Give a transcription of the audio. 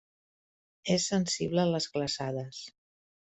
És sensible a les glaçades.